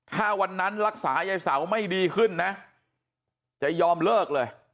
ถ้าวันนั้นรักษายายเสาไม่ดีขึ้นนะจะยอมเลิกเลย